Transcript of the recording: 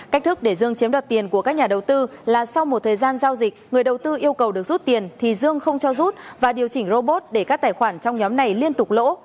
cách thức để dương chiếm đoạt tiền của các nhà đầu tư là sau một thời gian giao dịch người đầu tư yêu cầu được rút tiền thì dương không cho rút và điều chỉnh robot để các tài khoản trong nhóm này liên tục lỗ